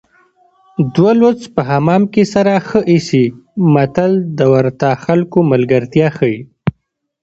دوه لوڅ په حمام کې سره ښه ایسي متل د ورته خلکو ملګرتیا ښيي